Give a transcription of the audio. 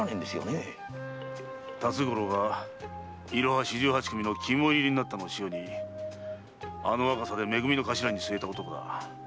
辰五郎が“いろは四十八組”の肝煎になったのを潮にあの若さでめ組の頭に据えた男だ。